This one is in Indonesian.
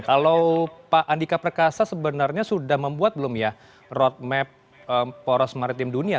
kalau pak andika perkasa sebenarnya sudah membuat belum ya roadmap poros maritim dunia